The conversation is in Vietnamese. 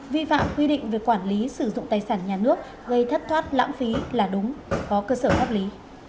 vi phạm quy định về quản lý sử dụng tài sản nhà nước gây thất thoát lãng phí là đúng có cơ sở pháp lý